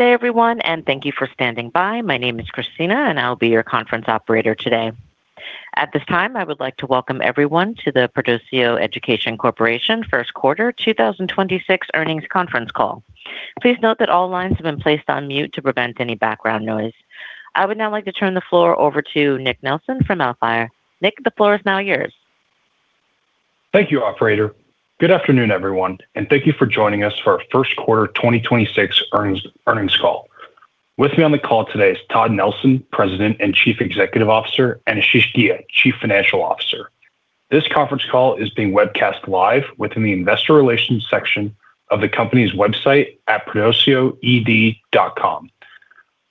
Good day everyone, and thank you for standing by. My name is Christina and I'll be your conference operator today. At this time, I would like to welcome everyone to the Perdoceo Education Corporation First Quarter 2026 earnings conference call. Please note that all lines have been placed on mute to prevent any background noise. I would now like to turn the floor over to Nick Nelson from Alpha IR Group. Nick, the floor is now yours. Thank you, operator. Good afternoon, everyone, and thank you for joining us for our first quarter 2026 earnings call. With me on the call today is Todd Nelson, President and Chief Executive Officer, and Ashish Ghia, Chief Financial Officer. This conference call is being webcast live within the investor relations section of the company's website at perdoceoed.com.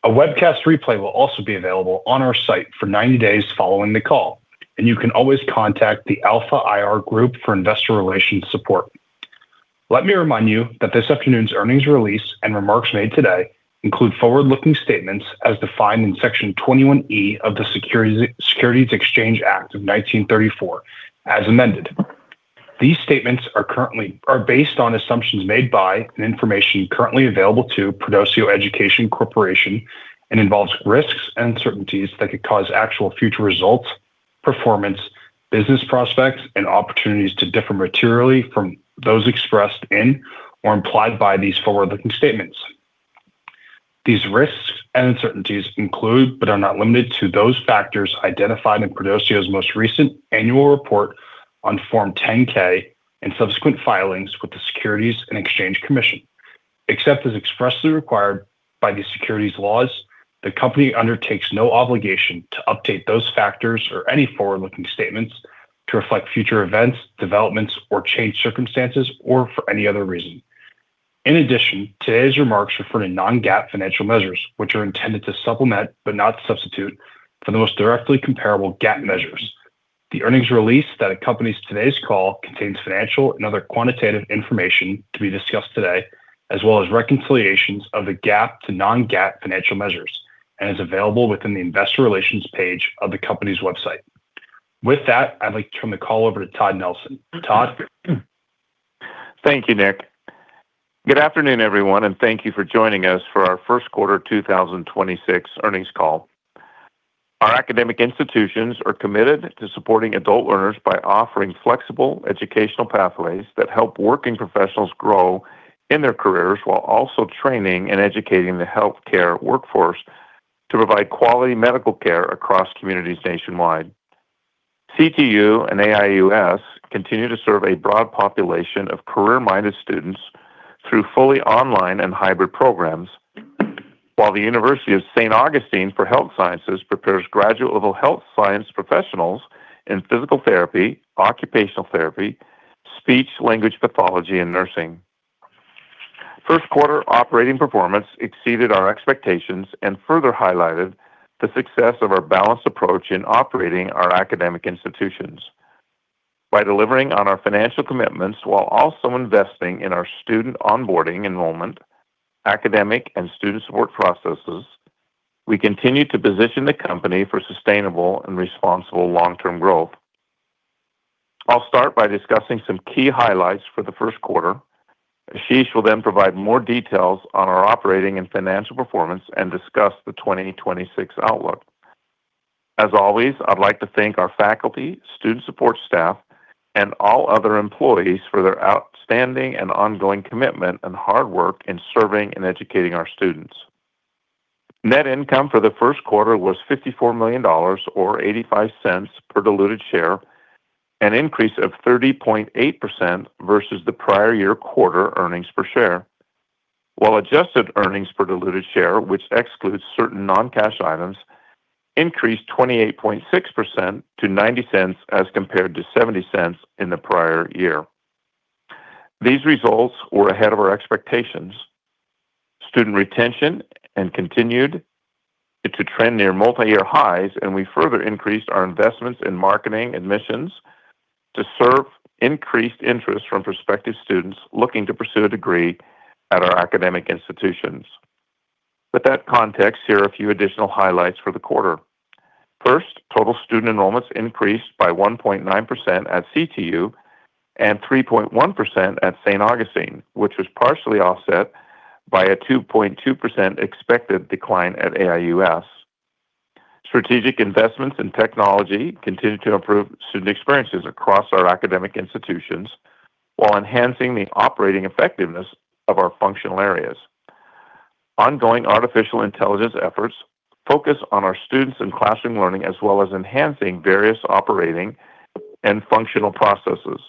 A webcast replay will also be available on our site for 90 days following the call, and you can always contact the Alpha IR Group for investor relations support. Let me remind you that this afternoon's earnings release and remarks made today include forward-looking statements as defined in Section 21E of the Securities Exchange Act of 1934 as amended. These statements are based on assumptions made by, and information currently available to Perdoceo Education Corporation and involves risks and uncertainties that could cause actual future results, performance, business prospects and opportunities to differ materially from those expressed in or implied by these forward-looking statements. These risks and uncertainties include, but are not limited to, those factors identified in Perdoceo's most recent annual report on Form 10-K and subsequent filings with the Securities and Exchange Commission. Except as expressly required by the securities laws, the company undertakes no obligation to update those factors or any forward-looking statements to reflect future events, developments or changed circumstances or for any other reason. In addition, today's remarks refer to non-GAAP financial measures, which are intended to supplement, but not substitute for the most directly comparable GAAP measures. The earnings release that accompanies today's call contains financial and other quantitative information to be discussed today, as well as reconciliations of the GAAP to non-GAAP financial measures, and is available within the investor relations page of the company's website. With that, I'd like to turn the call over to Todd Nelson. Todd? Thank you, Nick. Good afternoon, everyone, thank you for joining us for our first quarter 2026 earnings call. Our academic institutions are committed to supporting adult learners by offering flexible educational pathways that help working professionals grow in their careers while also training and educating the healthcare workforce to provide quality medical care across communities nationwide. CTU and AIUS continue to serve a broad population of career-minded students through fully online and hybrid programs, while the University of St. Augustine for Health Sciences prepares graduate-level health science professionals in physical therapy, occupational therapy, speech language pathology and nursing. First quarter operating performance exceeded our expectations further highlighted the success of our balanced approach in operating our academic institutions. By delivering on our financial commitments while also investing in our student onboarding, enrollment, academic and student support processes, we continue to position the company for sustainable and responsible long-term growth. I'll start by discussing some key highlights for the first quarter. Ashish will then provide more details on our operating and financial performance and discuss the 2026 outlook. As always, I'd like to thank our faculty, student support staff, and all other employees for their outstanding and ongoing commitment and hard work in serving and educating our students. Net income for the first quarter was $54 million or $0.85 per diluted share, an increase of 30.8% versus the prior year quarter earnings per share. While adjusted earnings per diluted share, which excludes certain non-cash items, increased 28.6% to $0.90 as compared to $0.70 in the prior year. These results were ahead of our expectations. Student retention and continued to trend near multi-year highs, and we further increased our investments in marketing admissions to serve increased interest from prospective students looking to pursue a degree at our academic institutions. With that context, here are a few additional highlights for the quarter. First, total student enrollments increased by 1.9% at CTU and 3.1% at St. Augustine, which was partially offset by a 2.2% expected decline at AIUS. Strategic investments in technology continued to improve student experiences across our academic institutions while enhancing the operating effectiveness of our functional areas. Ongoing artificial intelligence efforts focus on our students and classroom learning, as well as enhancing various operating and functional processes.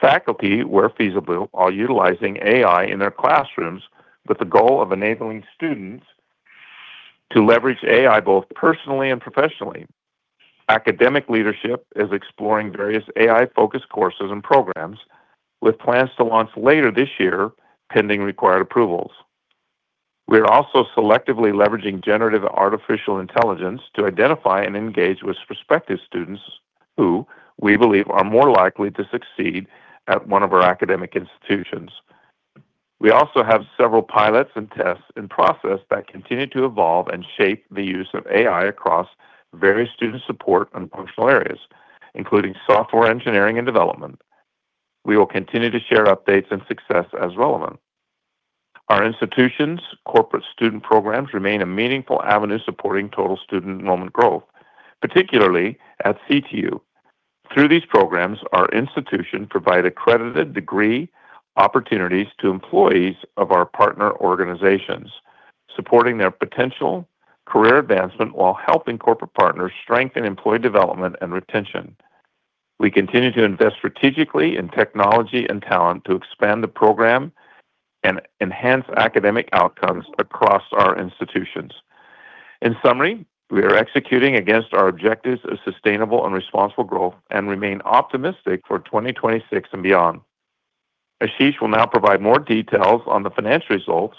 Faculty, where feasible, are utilizing AI in their classrooms with the goal of enabling students to leverage AI both personally and professionally. Academic leadership is exploring various AI-focused courses and programs with plans to launch later this year, pending required approvals. We are also selectively leveraging generative artificial intelligence to identify and engage with prospective students who we believe are more likely to succeed at one of our academic institutions. We also have several pilots and tests in process that continue to evolve and shape the use of AI across various student support and functional areas, including software engineering and development. We will continue to share updates and success as relevant. Our institutions' corporate student programs remain a meaningful avenue supporting total student enrollment growth, particularly at CTU. Through these programs, our institutions provide accredited degree opportunities to employees of our partner organizations, supporting their potential career advancement while helping corporate partners strengthen employee development and retention. We continue to invest strategically in technology and talent to expand the program and enhance academic outcomes across our institutions. In summary, we are executing against our objectives of sustainable and responsible growth and remain optimistic for 2026 and beyond. Ashish Ghia will now provide more details on the financial results,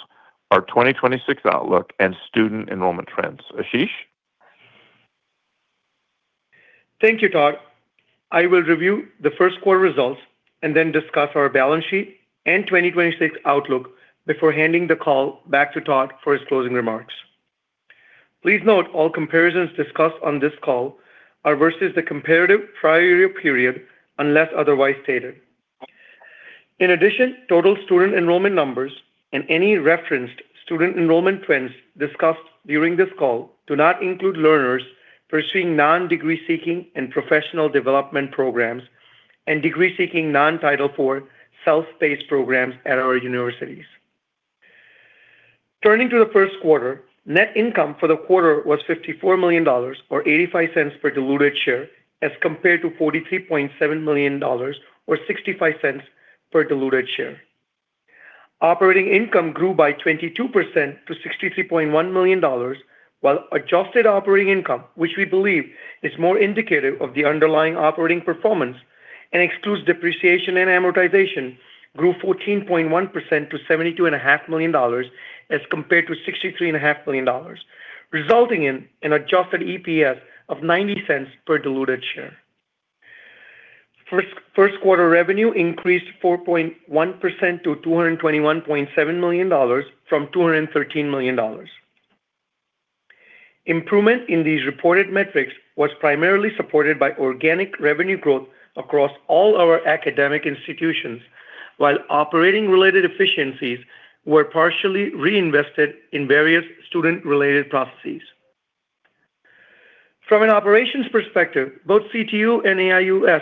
our 2026 outlook and student enrollment trends. Ashish. Thank you, Todd. I will review the 1st quarter results, then discuss our balance sheet and 2026 outlook before handing the call back to Todd for his closing remarks. Please note, all comparisons discussed on this call are versus the comparative prior year period, unless otherwise stated. Total student enrollment numbers and any referenced student enrollment trends discussed during this call do not include learners pursuing non-degree seeking and professional development programs and degree-seeking non-Title IV self-paced programs at our universities. Turning to the first quarter, net income for the quarter was $54 million or $0.85 per diluted share as compared to $43.7 million or $0.65 per diluted share. Operating income grew by 22% to $63.1 million, while adjusted operating income, which we believe is more indicative of the underlying operating performance and excludes depreciation and amortization, grew 14.1% to $72.5 Million as compared to $63.5 million, resulting in an adjusted EPS of $0.90 per diluted share. First quarter revenue increased 4.1% to $221.7 million from $213 million. Improvement in these reported metrics was primarily supported by organic revenue growth across all our academic institutions, while operating related efficiencies were partially reinvested in various student-related processes. From an operations perspective, both CTU and AIUS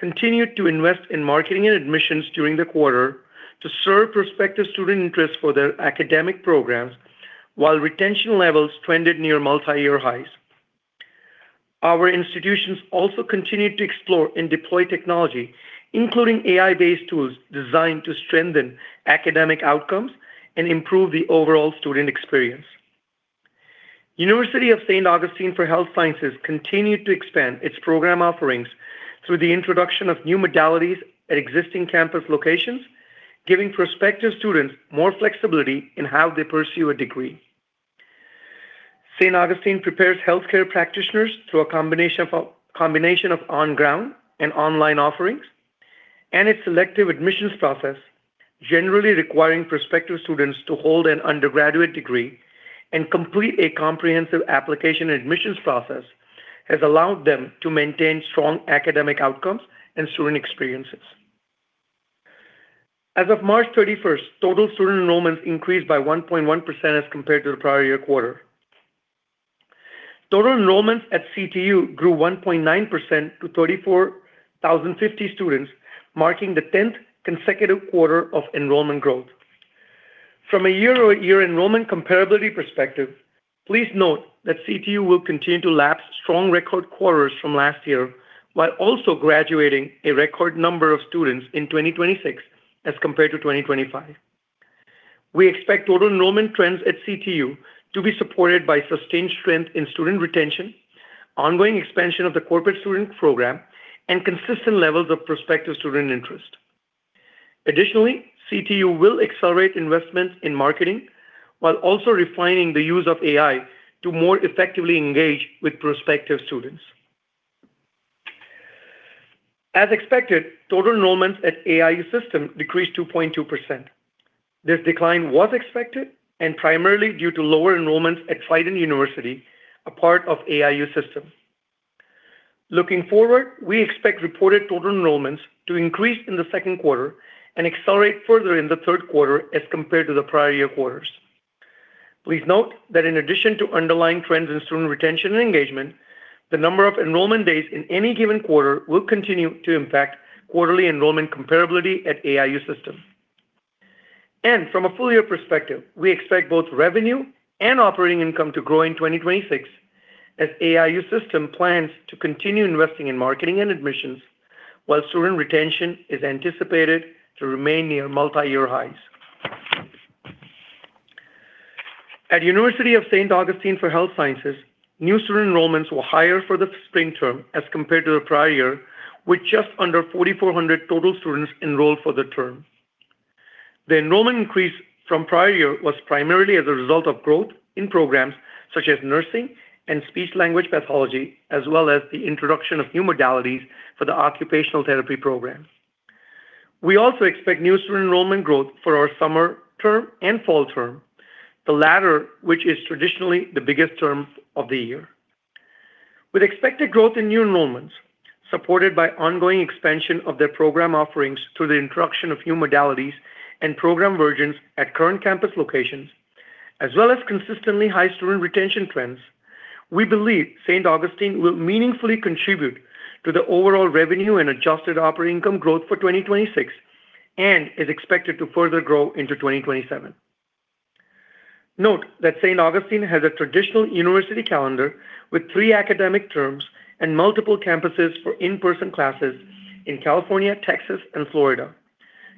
continued to invest in marketing and admissions during the quarter to serve prospective student interest for their academic programs, while retention levels trended near multi-year highs. Our institutions also continued to explore and deploy technology, including AI-based tools designed to strengthen academic outcomes and improve the overall student experience. University of St. Augustine for Health Sciences continued to expand its program offerings through the introduction of new modalities at existing campus locations, giving prospective students more flexibility in how they pursue a degree. St. Augustine prepares healthcare practitioners through a combination of on-ground and online offerings, and its selective admissions process, generally requiring prospective students to hold an undergraduate degree and complete a comprehensive application admissions process, has allowed them to maintain strong academic outcomes and student experiences. As of March 31st, total student enrollments increased by 1.1% as compared to the prior year quarter. Total enrollments at CTU grew 1.9% to 34,050 students, marking the 10th consecutive quarter of enrollment growth. From a year-over-year enrollment comparability perspective, please note that CTU will continue to lapse strong record quarters from last year while also graduating a record number of students in 2026 as compared to 2025. We expect total enrollment trends at CTU to be supported by sustained strength in student retention, ongoing expansion of the corporate student program, and consistent levels of prospective student interest. Additionally, CTU will accelerate investments in marketing while also refining the use of AI to more effectively engage with prospective students. As expected, total enrollments at AIU System decreased 2.2%. This decline was expected and primarily due to lower enrollments at Trident University, a part of AIU System. Looking forward, we expect reported total enrollments to increase in the second quarter and accelerate further in the third quarter as compared to the prior year quarters. Please note that in addition to underlying trends in student retention and engagement, the number of enrollment days in any given quarter will continue to impact quarterly enrollment comparability at AIU System. From a full year perspective, we expect both revenue and operating income to grow in 2026 as AIU System plans to continue investing in marketing and admissions while student retention is anticipated to remain near multi-year highs. At University of St. Augustine for Health Sciences, new student enrollments were higher for the spring term as compared to the prior year, with just under 4,400 total students enrolled for the term. The enrollment increase from prior year was primarily as a result of growth in programs such as nursing and speech language pathology, as well as the introduction of new modalities for the occupational therapy program. We also expect new student enrollment growth for our summer term and fall term, the latter which is traditionally the biggest term of the year. With expected growth in new enrollments, supported by ongoing expansion of their program offerings through the introduction of new modalities and program versions at current campus locations, as well as consistently high student retention trends, we believe St. Augustine will meaningfully contribute to the overall revenue and adjusted operating income growth for 2026 and is expected to further grow into 2027. Note that St. Augustine has a traditional university calendar with three academic terms and multiple campuses for in-person classes in California, Texas and Florida.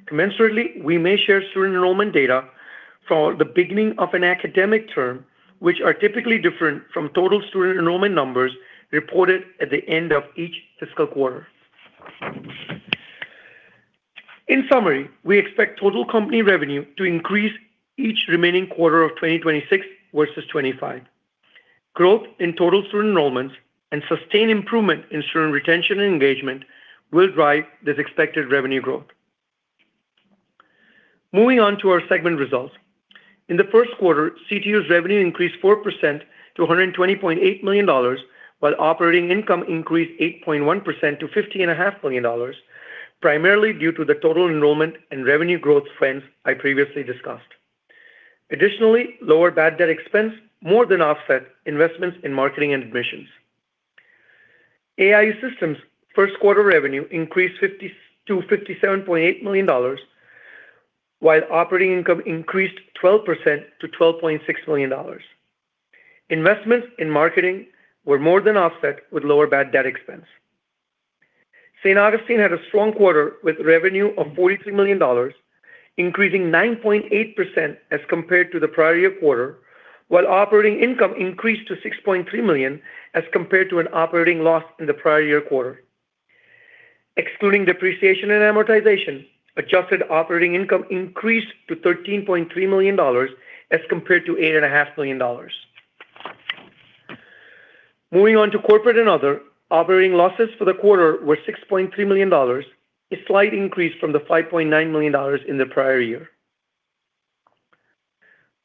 Commensurately, we may share student enrollment data for the beginning of an academic term, which are typically different from total student enrollment numbers reported at the end of each fiscal quarter. In summary, we expect total company revenue to increase each remaining quarter of 2026 versus 2025. Growth in total student enrollments and sustained improvement in student retention and engagement will drive this expected revenue growth. Moving on to our segment results. In the first quarter, CTU's revenue increased 4% to $120.8 million, while operating income increased 8.1% to $15.5 million, primarily due to the total enrollment and revenue growth trends I previously discussed. Additionally, lower bad debt expense more than offset investments in marketing and admissions. AIU System first quarter revenue increased to $57.8 million, while operating income increased 12% to $12.6 million. Investments in marketing were more than offset with lower bad debt expense. St. Augustine had a strong quarter with revenue of $43 million, increasing 9.8% as compared to the prior year quarter, while operating income increased to $6.3 million as compared to an operating loss in the prior year quarter. Excluding depreciation and amortization, adjusted operating income increased to $13.3 million as compared to $8.5 million. Moving on to corporate and other, operating losses for the quarter were $6.3 million, a slight increase from the $5.9 million in the prior year.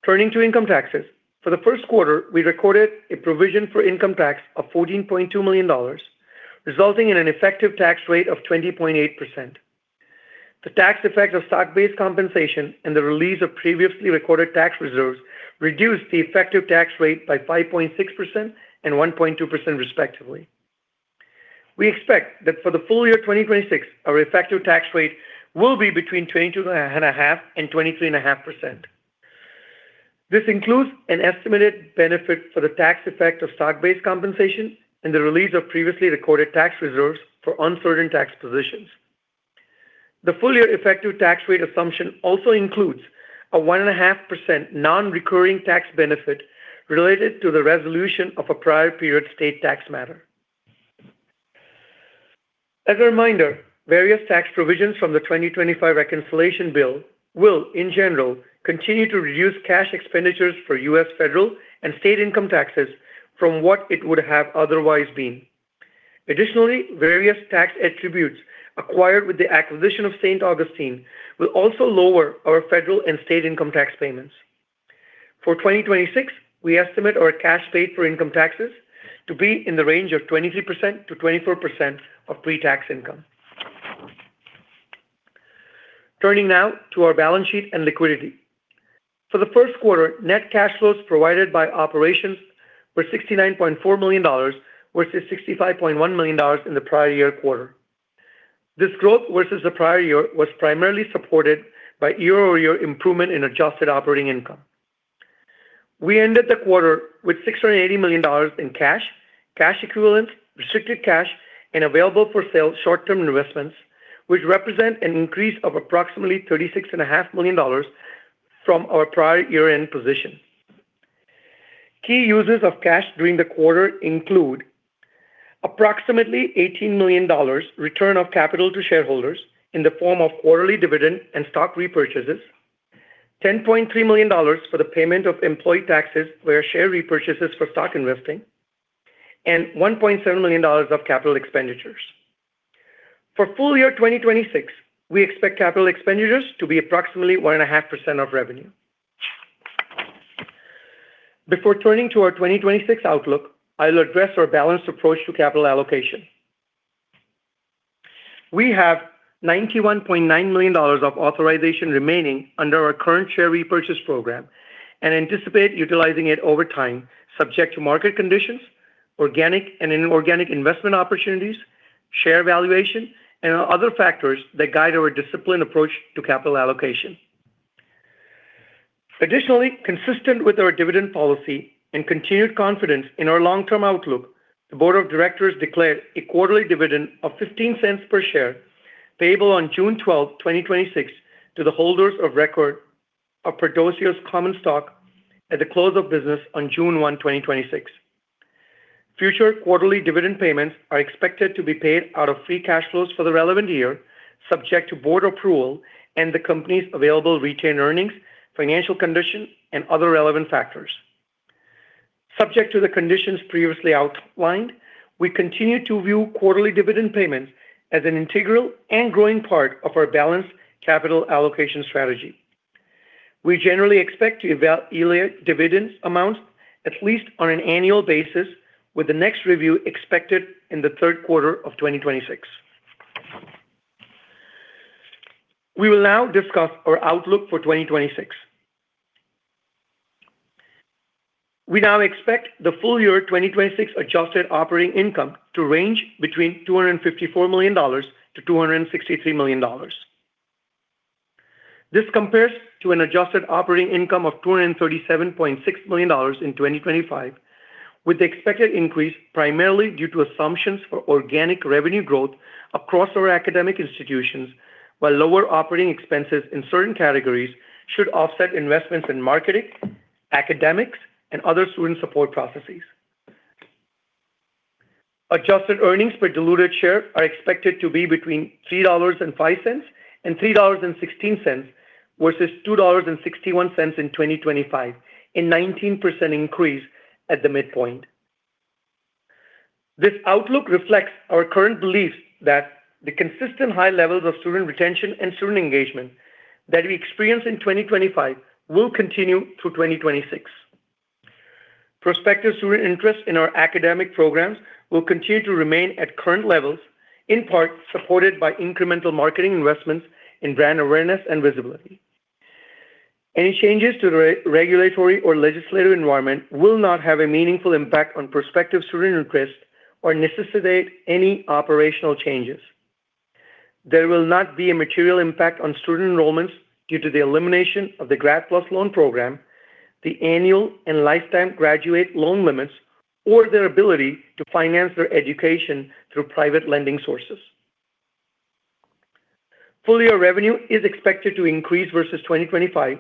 Turning to income taxes. For the first quarter, we recorded a provision for income tax of $14.2 million, resulting in an effective tax rate of 20.8%. The tax effect of stock-based compensation and the release of previously recorded tax reserves reduced the effective tax rate by 5.6% and 1.2% respectively. We expect that for the full year 2026, our effective tax rate will be between 22.5% and 23.5%. This includes an estimated benefit for the tax effect of stock-based compensation and the release of previously recorded tax reserves for uncertain tax positions. The full year effective tax rate assumption also includes a 1.5% non-recurring tax benefit related to the resolution of a prior period state tax matter. As a reminder, various tax provisions from the 2025 reconciliation bill will in general continue to reduce cash expenditures for U.S. federal and state income taxes from what it would have otherwise been. Additionally, various tax attributes acquired with the acquisition of St. Augustine will also lower our federal and state income tax payments. For 2026, we estimate our cash paid for income taxes to be in the range of 23%-24% of pre-tax income. Turning now to our balance sheet and liquidity. For the first quarter, net cash flows provided by operations were $69.4 million, versus $65.1 million in the prior-year quarter. This growth versus the prior-year was primarily supported by year-over-year improvement in adjusted operating income. We ended the quarter with $680 million in cash equivalents, restricted cash and available for sale short-term investments, which represent an increase of approximately $36.5 million from our prior year-end position. Key uses of cash during the quarter include approximately $18 million return of capital to shareholders in the form of quarterly dividend and stock repurchases, $10.3 million for the payment of employee taxes via share repurchases for stock investing, and $1.7 million of capital expenditures. For full year 2026, we expect capital expenditures to be approximately 1.5% of revenue. Before turning to our 2026 outlook, I'll address our balanced approach to capital allocation. We have $91.9 million of authorization remaining under our current share repurchase program and anticipate utilizing it over time subject to market conditions, organic and inorganic investment opportunities, share valuation and other factors that guide our disciplined approach to capital allocation. Additionally, consistent with our dividend policy and continued confidence in our long-term outlook, the board of directors declared a quarterly dividend of $0.15 per share payable on June 12, 2026 to the holders of record of Perdoceo's common stock at the close of business on June 1, 2026. Future quarterly dividend payments are expected to be paid out of free cash flows for the relevant year, subject to board approval and the company's available retained earnings, financial condition and other relevant factors. Subject to the conditions previously outlined, we continue to view quarterly dividend payments as an integral and growing part of our balanced capital allocation strategy. We generally expect to evaluate dividend amounts at least on an annual basis, with the next review expected in the third quarter of 2026. We will now discuss our outlook for 2026. We now expect the full year 2026 adjusted operating income to range between $254 million and $263 million. This compares to an adjusted operating income of $237.6 million in 2025, with the expected increase primarily due to assumptions for organic revenue growth across our academic institutions, while lower operating expenses in certain categories should offset investments in marketing, academics, and other student support processes. Adjusted earnings per diluted share are expected to be between $3.05 and $3.16 versus $2.61 in 2025, a 19% increase at the midpoint. This outlook reflects our current belief that the consistent high levels of student retention and student engagement that we experienced in 2025 will continue through 2026. Prospective student interest in our academic programs will continue to remain at current levels, in part supported by incremental marketing investments in brand awareness and visibility. Any changes to the regulatory or legislative environment will not have a meaningful impact on prospective student requests or necessitate any operational changes. There will not be a material impact on student enrollments due to the elimination of the Grad PLUS Loan program, the annual and lifetime graduate loan limits, or their ability to finance their education through private lending sources. Full-year revenue is expected to increase versus 2025,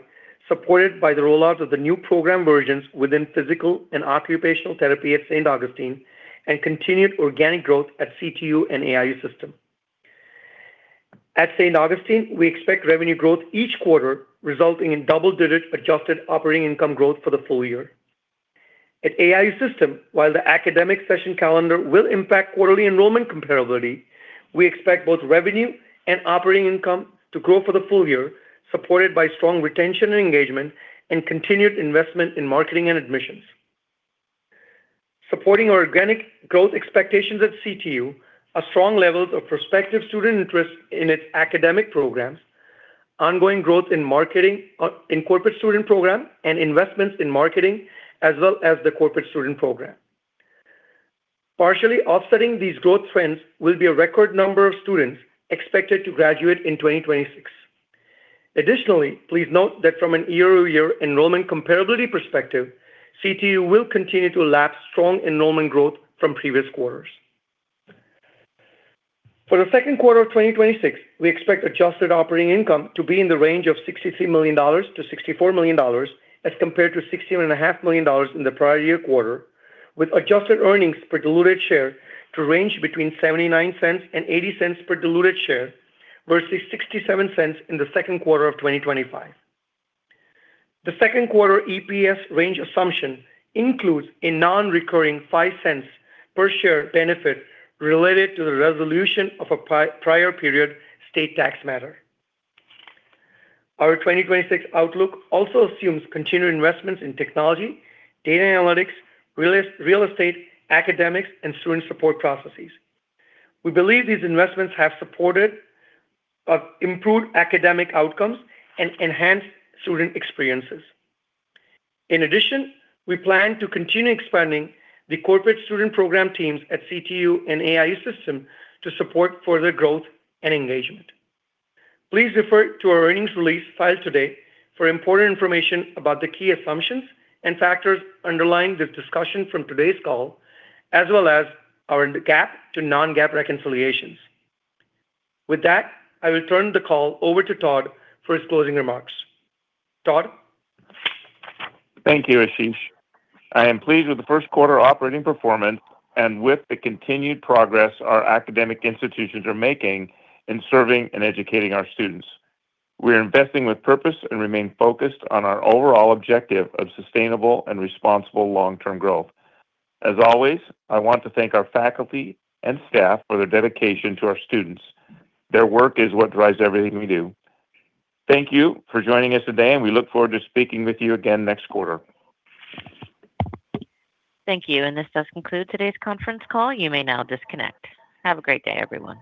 supported by the rollout of the new program versions within Physical and Occupational Therapy at St. Augustine and continued organic growth at CTU and AIU System. At St. Augustine, we expect revenue growth each quarter, resulting in double-digit adjusted operating income growth for the full year. At AIU System, while the academic session calendar will impact quarterly enrollment comparability, we expect both revenue and operating income to grow for the full year, supported by strong retention and engagement and continued investment in marketing and admissions. Supporting our organic growth expectations at CTU are strong levels of prospective student interest in its academic programs, ongoing growth in marketing, in corporate student program, and investments in marketing, as well as the corporate student program. Partially offsetting these growth trends will be a record number of students expected to graduate in 2026. Additionally, please note that from a year-over-year enrollment comparability perspective, CTU will continue to lapse strong enrollment growth from previous quarters. For the second quarter of 2026, we expect adjusted operating income to be in the range of $63 million-$64 million as compared to $61.5 Million in the prior year quarter, with adjusted earnings per diluted share to range between $0.79-$0.80 per diluted share versus $0.67 in the second quarter of 2025. The second quarter EPS range assumption includes a non-recurring $0.05 per share benefit related to the resolution of a prior period state tax matter. Our 2026 outlook also assumes continuing investments in technology, data analytics, real estate, academics, and student support processes. We believe these investments have supported improved academic outcomes and enhanced student experiences. In addition, we plan to continue expanding the corporate student program teams at CTU and AIU System to support further growth and engagement. Please refer to our earnings release filed today for important information about the key assumptions and factors underlying the discussion from today's call, as well as our GAAP to non-GAAP reconciliations. With that, I will turn the call over to Todd for his closing remarks. Todd? Thank you, Ashish. I am pleased with the first quarter operating performance and with the continued progress our academic institutions are making in serving and educating our students. We are investing with purpose and remain focused on our overall objective of sustainable and responsible long-term growth. As always, I want to thank our faculty and staff for their dedication to our students. Their work is what drives everything we do. Thank you for joining us today. We look forward to speaking with you again next quarter. Thank you. This does conclude today's conference call. You may now disconnect. Have a great day, everyone.